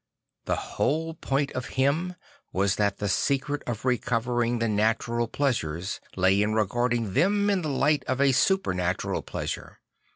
The whole point of him ,vas that the secret of recovering the natura! pleasures lay in regarding them in the light of a supernatural pleasure.